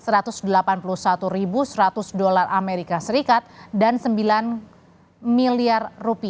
rp satu ratus delapan puluh satu seratus dolar as dan rp sembilan miliar